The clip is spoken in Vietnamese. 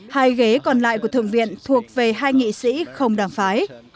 hai ghế còn lại của thượng viện thuộc về hai nghị sĩ không đảng phái